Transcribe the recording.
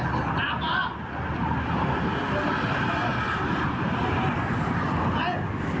อย่ากลับไว้